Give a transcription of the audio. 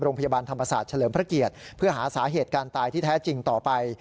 โรงพยาบาลธรรมศาสตร์เฉลิมพระเกียรติเพื่อหาสาเหตุการตายที่แท้จริงต่อไป